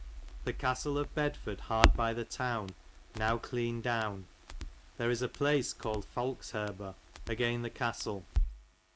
The castel of Bedford hard by the towne, now dene down. There is a place cauUid Falxherbar * agayn the castel.